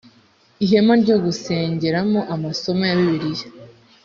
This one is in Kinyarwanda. ihema ryo gusengeramo amasomo ya bibiliya